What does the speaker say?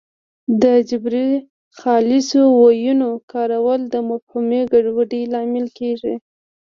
د جبري خالصو ویونو کارول د مفهومي ګډوډۍ لامل کېږي